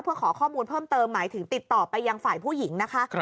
เพื่อขอข้อมูลเพิ่มเติมหมายถึงติดต่อไปยังฝ่ายผู้หญิงนะคะ